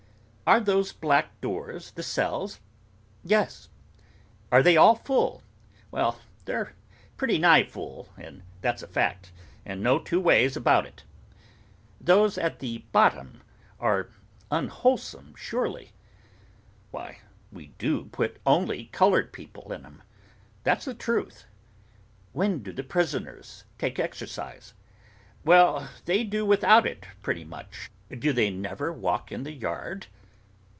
'Are those black doors the cells?' 'Yes.' 'Are they all full?' 'Well, they're pretty nigh full, and that's a fact, and no two ways about it.' 'Those at the bottom are unwholesome, surely?' 'Why, we do only put coloured people in 'em. That's the truth.' 'When do the prisoners take exercise?' 'Well, they do without it pretty much.' 'Do they never walk in the yard?